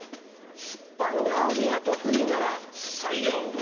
スッポン料理が得意なら採用。